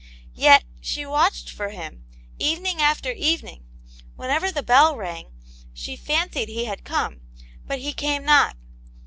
Yet, she watched for him, evening after even ing ; whenever the bell rang, she fancied he liad come ; but he came not.